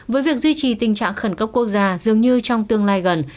với việc duy trì tình trạng khẩn cấp quốc gia dường như trong tương lai gần